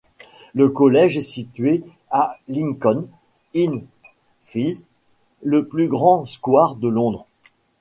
Le collège est situé à Lincoln's Inn Fields, le plus grand square de Londres.